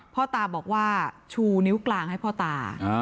พ่อตาบอกว่าชูนิ้วกลางให้พ่อตา